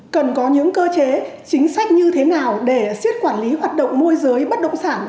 cần có những cơ chế chính sách như thế nào để siết quản lý hoạt động môi giới bất động sản